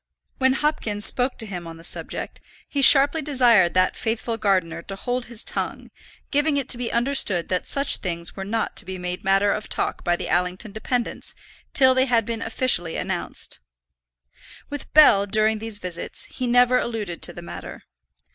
When Hopkins spoke to him on the subject, he sharply desired that faithful gardener to hold his tongue, giving it to be understood that such things were not to be made matter of talk by the Allington dependants till they had been officially announced. With Bell during these visits he never alluded to the matter.